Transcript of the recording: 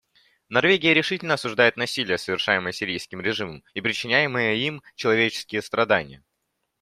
Норвегия решительно осуждает насилие, совершаемое сирийским режимом, и причиняемые им человеческие страдания.